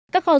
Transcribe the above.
các kho dựng